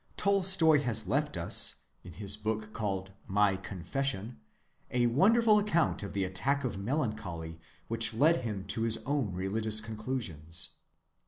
Tolstoy has left us, in his book called My Confession, a wonderful account of the attack of melancholy which led him to his own religious conclusions.